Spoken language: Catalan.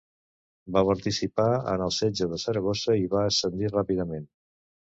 Va participar en el setge de Saragossa i va ascendir ràpidament.